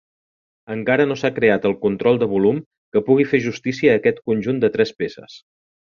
Encara no s'ha creat el control de volum que pugui fer justícia a aquest conjunt de tres peces!